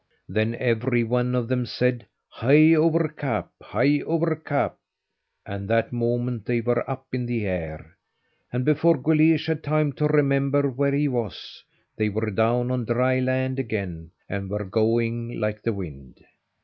Then every one of them said: "Hie over cap! Hie over cap!" and that moment they were up in the air, and before Guleesh had time to remember where he was, they were down on dry land again, and were going like the wind.